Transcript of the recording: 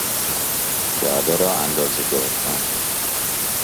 جعبه را اندازه گرفتن